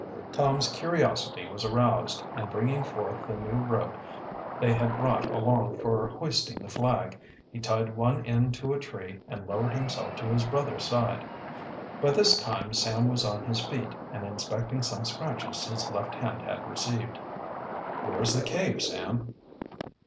Tom's curiosity was aroused, and bringing forth the new rope they had brought along for hoisting the flag, he tied one end to a tree and lowered himself to his brother's side. By this time Sam was on his feet and inspecting some scratches his left hand had received. "Where is the cave, Sam?"